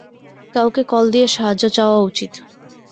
কাউকে কল দিয়ে সাহায্য চাওয়া উচিৎ।